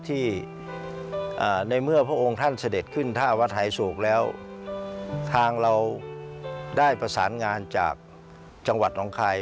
ถ้าวัดหายโสกแล้วทางเราได้ประสานงานจากจังหวัดน้องคลาย